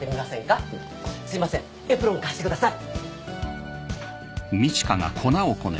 すいませんエプロンを貸してください